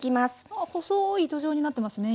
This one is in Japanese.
ああ細い糸状になってますね